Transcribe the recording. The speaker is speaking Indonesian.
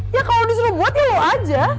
ya kalau disuruh buat ya lo aja